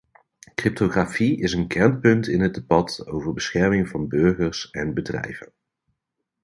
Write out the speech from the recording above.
Cryptografie is een kernpunt in het debat over bescherming van burgers en bedrijven.